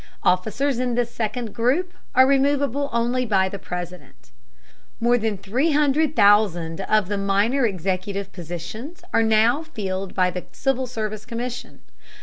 Officers in this second group are removable only by the President. More than 300,000 of the minor executive positions are now filled by the Civil Service Commission.